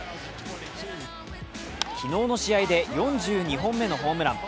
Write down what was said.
昨日の試合で４２本目のホームラン。